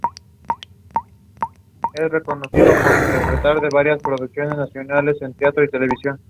Anteriormente esta figura había sido trasladada a Lisboa en peregrinación.